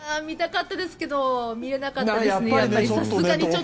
見たかったですけど見れなかったですね。